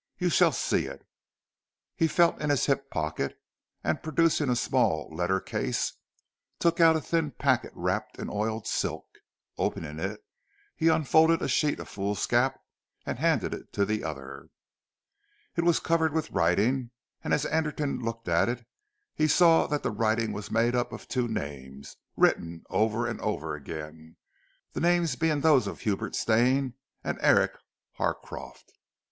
You shall see it." He felt in his hip pocket, and producing a small letter case, took out a thin packet wrapped in oiled silk. Opening it, he unfolded a sheet of foolscap and handed it to the other. It was covered with writing, and as Anderton looked at it, he saw that the writing was made up of two names, written over and over again, the names being those of Hubert Stane and Eric Harcroft.